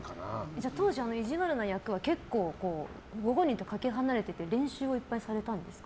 じゃあ、当時のいじわるな役は結構ご本人とかけ離れていて練習されたんですか？